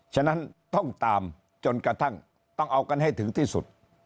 ฉะนั้นต้องตามจนกระทั่งต้องเอากันให้ถึงที่สุด